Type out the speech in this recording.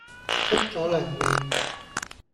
出左糧未?